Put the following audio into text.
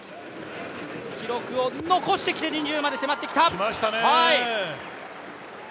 記録を残してきて２０まで迫ってきた。